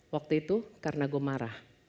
waktu itu karena gue marah